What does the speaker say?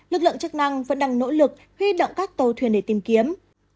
lực lượng chức năng vẫn đang nỗ lực huy động các tàu thuyền để tìm kiếm